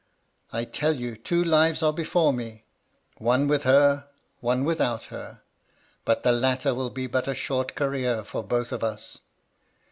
I tell you two lives are before me ; one with her, one without her. But the latter will be but a short career for both of us.